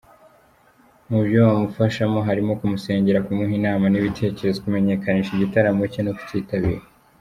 Mu byo bamufashamo harimo; Kumusengera, kumuha inama n'ibitekerezo, kumenyekanisha igitaramo cye no kucyitabira.